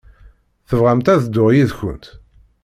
Tebɣamt ad dduɣ yid-kent?